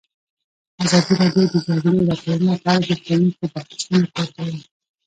ازادي راډیو د د جګړې راپورونه په اړه د پرانیستو بحثونو کوربه وه.